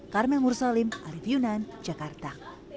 karmel mursalim arief yunan jakarta